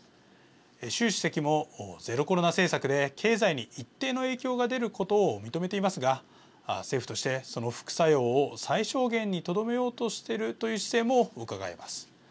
習主席も、ゼロコロナ政策で経済に一定の影響が出ることを認めていますが政府として、その副作用を最小限にとどめようとしているという姿勢もうかがえます。